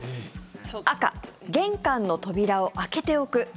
赤、玄関の扉を開けておく。